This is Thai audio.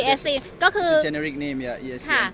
อันนี้เป็นชื่อที่เกนอริกท์